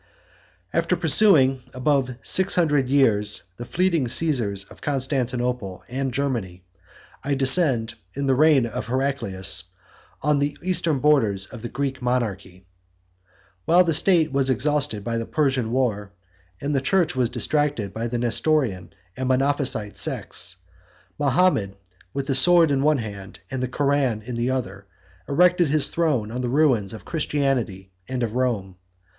After pursuing above six hundred years the fleeting Caesars of Constantinople and Germany, I now descend, in the reign of Heraclius, on the eastern borders of the Greek monarchy. While the state was exhausted by the Persian war, and the church was distracted by the Nestorian and Monophysite sects, Mahomet, with the sword in one hand and the Koran in the other, erected his throne on the ruins of Christianity and of Rome.